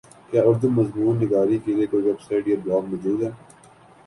کیا اردو مضمون نگاری کیلئے کوئ ویبسائٹ یا بلاگ موجود ہے